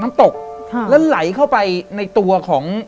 แต่ขอให้เรียนจบปริญญาตรีก่อน